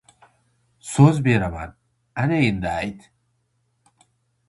— So‘z beraman! Ana, endi ayt.